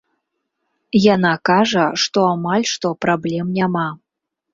Яна кажа, што амаль што праблем няма.